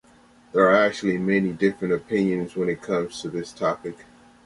There are actually many different opinions when it comes to this topic.